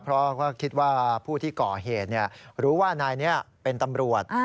เพราะก็คิดว่าผู้ที่ก่อเหตุรู้ว่านายนี้เป็นตำรวจ